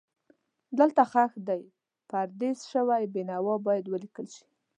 دلته ښخ دی پردیس شوی بېنوا باید ولیکل شي.